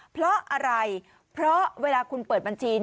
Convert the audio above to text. เพราะอะไรเพราะเวลาคุณเปิดบัญชี